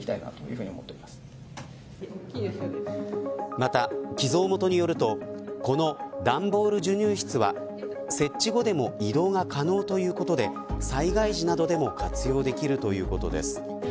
また、寄贈元によるとこの段ボール授乳室は設置後でも移動が可能ということで災害時などでも活用できるということです。